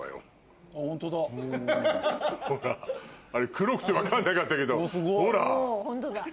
黒くて分かんなかったけどほら。